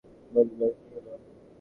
বলিল, এ কী হল?